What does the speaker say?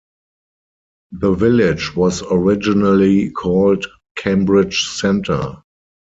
The village was originally called Cambridge Center.